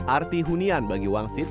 arti hunian bagi wang sid